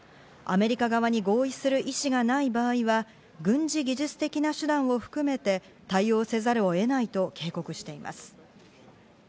アメリカ側に合意する意思がない場合は軍事技術的な手段を含めて対応せざるを得ないと警告しています。